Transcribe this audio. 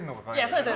そうです。